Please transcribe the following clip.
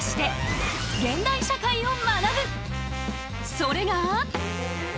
それが。